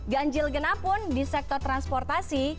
ganjil genap pun di sektor transportasi